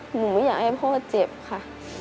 หนูไม่อยากให้พ่อเจ็บค่ะ